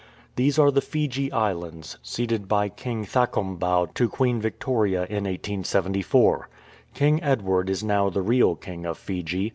These are the Fiji Islands, ceded by King Thakombau to Queen Victoria in 1874. King Edward is now the real King of Fiji.